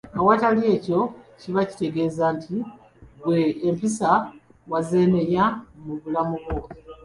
Awatali ekyo kiba kitegeeza nti ggwe empisa wazeenenya mu bulamu bwo.